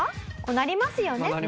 なりますね。